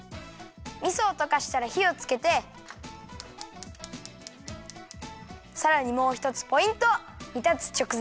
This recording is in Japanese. みそをとかしたらひをつけてさらにもうひとつポイント！にたつちょく